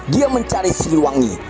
dia mencari si duwangi